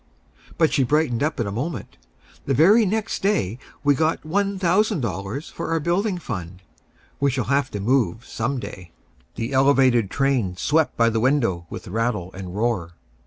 But she brightened up in a moment: "The very next day we got $1000 for our building fund. We shall have to move some day." The elevated train swept by the window with rattle and roar.